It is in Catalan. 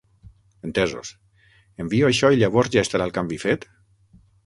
Entesos, envio això i llavors ja estarà el canvi fet?